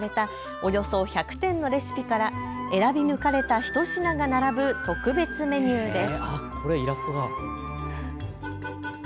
およそ１００点のレシピから選び抜かれたひと品が並ぶ特別メニューです。